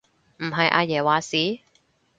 唔係阿爺話事？